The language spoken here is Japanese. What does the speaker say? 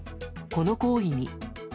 この行為に。